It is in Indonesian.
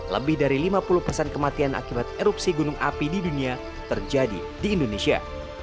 lebih dari lima puluh persen kematian akibat erupsi gunung api di dunia terjadi di indonesia